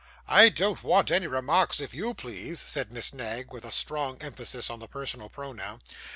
'I don't want any remarks if YOU please,' said Miss Knag, with a strong emphasis on the personal pronoun.